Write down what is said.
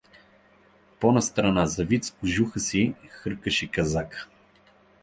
По-настрана, завит с кожуха си, хъркаше Казака.